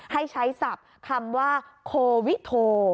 ให้ใช้ศัพท์คำว่าโควิโท